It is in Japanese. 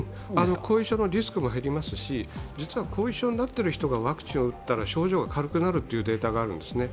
後遺症のリスクも減りますし実は後遺症になってる人がワクチンを打ったら症状が軽くなるというデータもあるんです。